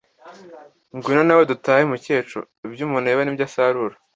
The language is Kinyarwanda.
Ngwino nawe dutahe Mukecu. “Ibyo umuntu abiba ni byo asarura”!